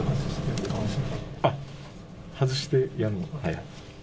あっ、外してやるの？